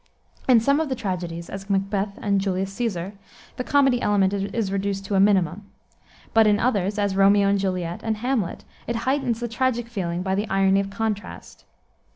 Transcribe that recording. In some of the tragedies, as Macbeth and Julius Caesar, the comedy element is reduced to a minimum. But in others, as Romeo and Juliet, and Hamlet, it heightens the tragic feeling by the irony of contrast.